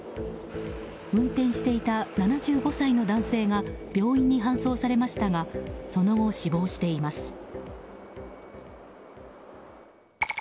運転していた７５歳の男性が病院に搬送されましたがその後、死亡しています。